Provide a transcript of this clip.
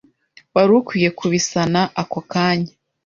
Wari ukwiye kubisana ako kanya.